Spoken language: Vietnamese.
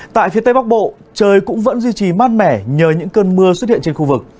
tại phía tây bắc bộ trời cũng vẫn duy trì mát mẻ nhờ những cơn mưa xuất hiện trên khu vực